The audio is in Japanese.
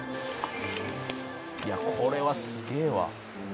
「いやこれはすげえわ」